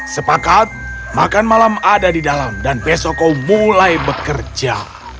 sepakat makan malam ada di dalam dan besok kau mulai bekerja